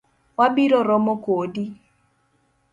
Wabiro romo kodi.